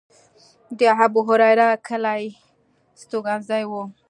د ابوهریره کلی هستوګنځی و.